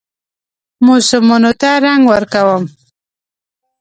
موسمونو ته رنګ ورکوم